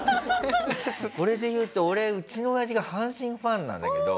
これでいうと俺うちの親父が阪神ファンなんだけど。